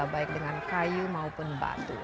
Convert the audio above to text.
baik dengan kayu maupun batu